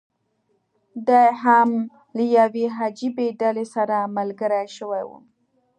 دی هم له یوې عجیبي ډلې سره ملګری شوی و.